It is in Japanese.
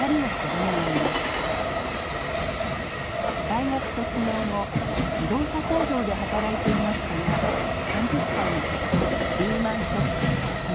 大学卒業後自動車工場で働いていましたが３０歳の時リーマンショックで失業。